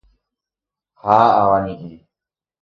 ¡Ha avañeʼẽ!